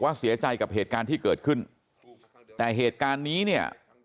เสียใจกับเหตุการณ์ที่เกิดขึ้นแต่เหตุการณ์นี้เนี่ย